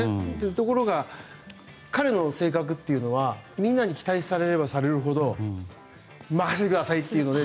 ところが彼の性格はみんなに期待されればされるほど任せてくださいって感じで。